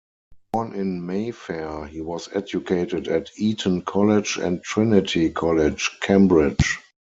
Born in Mayfair, he was educated at Eton College and Trinity College, Cambridge.